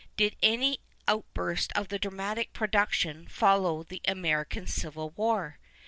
Did any outburst of dramatic production follow the American Civil War